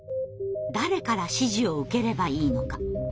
誰から指示を受ければいいのか？